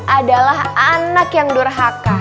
adalah anak yang durhaka